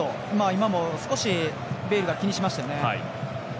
今も少しベイルが気にしましたね。